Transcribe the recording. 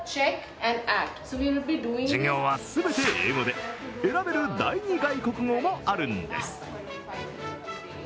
授業は全て英語で、選べる第二外国語もあるんです。